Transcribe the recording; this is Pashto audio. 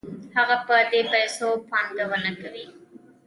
هغه په دې پیسو پانګونه کوي